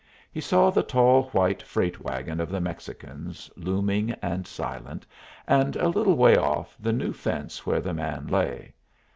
He saw the tall white freight wagon of the Mexicans, looming and silent, and a little way off the new fence where the man lay.